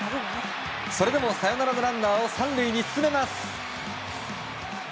それでも、サヨナラのランナーを３塁に進めます。